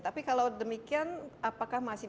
tapi kalau demikian apakah masih